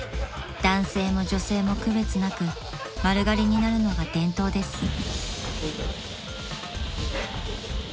［男性も女性も区別なく丸刈りになるのが伝統です］